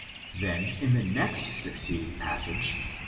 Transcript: Then, in the next succeeding passage (x.